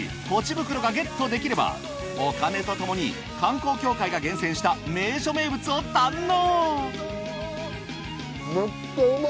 袋がゲットできればお金とともに観光協会が厳選した名所名物を堪能。